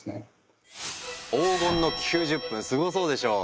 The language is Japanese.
黄金の９０分すごそうでしょう？